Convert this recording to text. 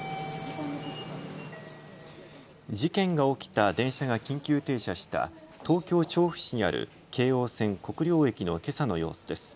事件が起きた電車が緊急停車した東京調布市にある京王線国領駅のけさの様子です。